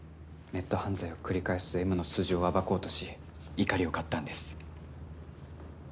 ネット犯罪を繰り返すＭの素性を暴こうとし怒りを買ったんです